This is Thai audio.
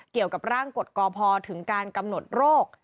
เกี่ยวกับร่างกฎกพถึงการกำหนดโรค